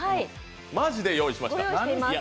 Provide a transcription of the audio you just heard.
マジで用意しました。